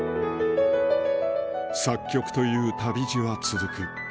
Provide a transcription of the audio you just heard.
作曲という旅路は続く